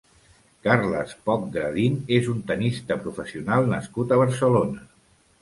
Carles Poch-Gradin és un tennista professional nascut a Barcelona.